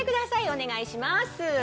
お願いします。